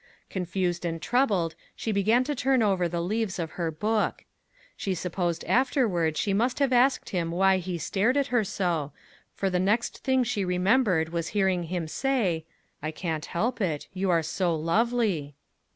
Confused and troubled, she began to turn over the leaves of her book. She supposed afterward she must have asked him why he stared at her so, for the next thing she remembered was hearing him say: "I can't help it. You are so lovely!"